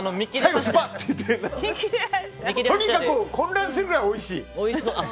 とにかく混乱するくらいおいしい？